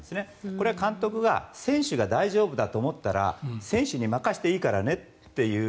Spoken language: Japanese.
これは監督が選手が大丈夫だと思ったら選手に任せていいからねという。